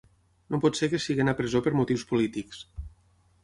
No pot ser que siguin a presó per motius polítics.